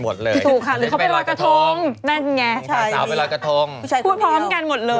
อันนี้มาสเมียบเมมาประจำการนะคะ